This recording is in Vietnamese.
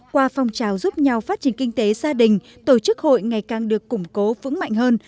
qua phong trào giúp nhau phát triển kinh tế gia đình tổ chức hội ngày càng được củng cố vững mạnh hơn